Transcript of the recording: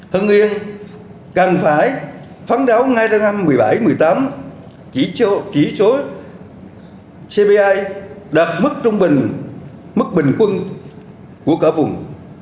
hưng yên cần phải phán đáo ngay trong năm một mươi bảy một mươi tám chỉ số cpi đạt mức trung bình mức bình quân của cả vùng